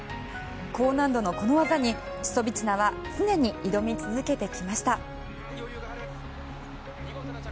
高難度のこの技にチュソビチナは常に挑み続けてきました。